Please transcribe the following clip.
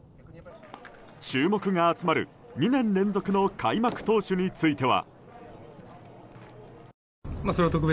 注目が集まる２年連続の開幕投手については。